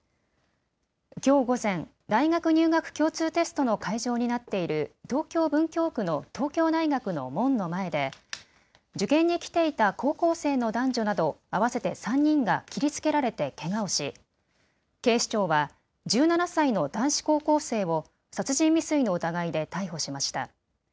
きょう午前、大学入学共通テストの会場になっている東京文京区の東京大学の門の前で受験に来ていた高校生の男女など合わせて３人が切りつけられてけがをし警視庁は１７歳の男子高校生を殺人未遂の疑いで逮捕しました。